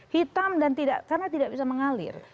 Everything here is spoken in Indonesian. hitam dan tidak bisa mengalir